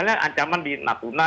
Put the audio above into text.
misalnya ancaman di natuna